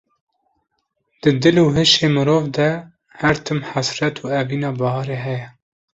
Di dil û heşê meriv de her tim hesret û evîna biharê heye